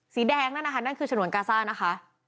สีแดงนั่นนะคะนั่นคือฉนวนกาซ่านะคะ